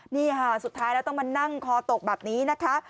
นี่ค่ะสุดท้ายแล้วต้องมานั่งคอตกแบบนี้นะคะ